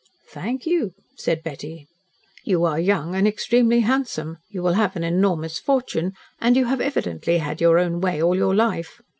"Thank you," said Betty. "You are young and extremely handsome, you will have an enormous fortune, and you have evidently had your own way all your life.